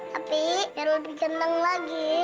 tapi ya udah ganteng lagi